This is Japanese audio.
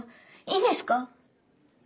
いいんですか？